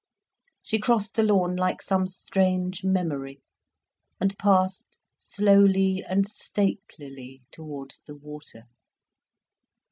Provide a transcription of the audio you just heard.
She crossed the lawn like some strange memory, and passed slowly and statelily towards the water.